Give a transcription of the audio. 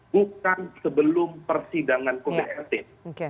bukan sebelum persidangan kode etik